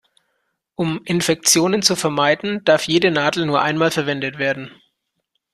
Um Infektionen zu vermeiden, darf jede Nadel nur einmal verwendet werden.